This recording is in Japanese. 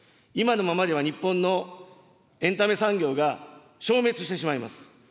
今のままでは日本のエンタメ産業が消滅してしまいます。